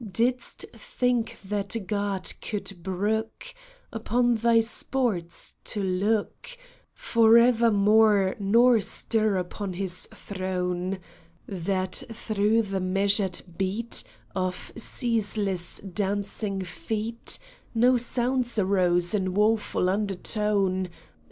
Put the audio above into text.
Didst think that God could brook Upon thy sports to look Forevermore nor stir upon His throne ? That through the measured beat Of ceaseless dancing feet No sounds arose in woful undertone